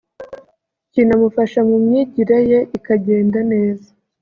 kinamufasha mu myigire ye ikagenda neza